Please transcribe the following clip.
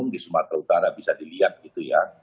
di sumatera utara bisa dilihat gitu ya